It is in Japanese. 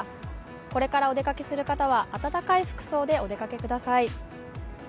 これからお出かけする方は温かい服装でお出かけください。